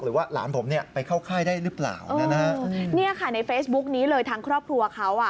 หรือว่าหลานผมเนี่ยไปเข้าค่ายได้หรือเปล่านะฮะเนี่ยค่ะในเฟซบุ๊กนี้เลยทางครอบครัวเขาอ่ะ